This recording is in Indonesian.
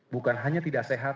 bukan hanya tidak sehat